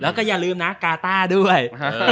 แล้วก็อย่าลืมนะกาต้าด้วย